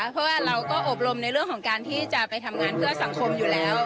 เพราะว่าเราก็อบรมในเรื่องของการที่จะไปทำงานเพื่อสังคมอยู่แล้ว